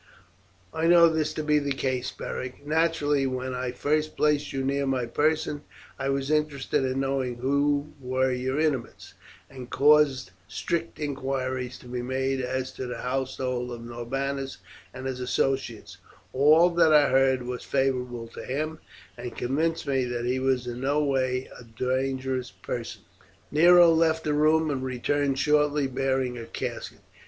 "I know this to be the case, Beric. Naturally, when I first placed you near my person, I was interested in knowing who were your intimates, and caused strict inquiries to be made as to the household of Norbanus and his associates; all that I heard was favourable to him, and convinced me that he was in no way a dangerous person." Nero left the room, and returned shortly bearing a casket.